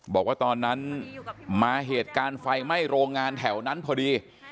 บอกว่าตอนนั้นมาเหตุการณ์ไฟไหม้โรงงานแถวนั้นพอดี